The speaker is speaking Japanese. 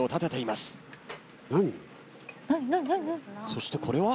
そしてこれは？